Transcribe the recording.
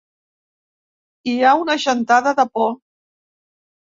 Hi ha una gentada de por.